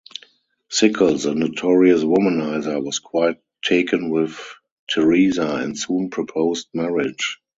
Sickles, a notorious womanizer, was quite taken with Teresa and soon proposed marriage.